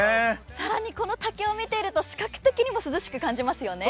更に、この竹を見ていると視覚的にも涼しく感じますよね。